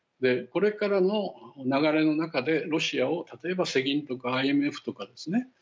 これからの流れの中でロシアを、例えば世銀とかＩＭＦとかですね